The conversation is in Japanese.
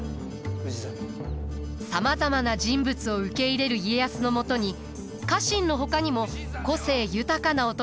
さまざまな人物を受け入れる家康のもとに家臣のほかにも個性豊かな男たちが集います。